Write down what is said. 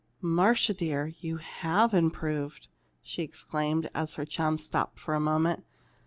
"Marcia dear, you have improved!" she exclaimed, as her chum stopped for a moment.